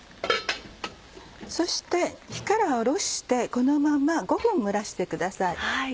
そして火から下ろしてこのまま５分蒸らしてください。